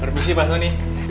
permisi pak sony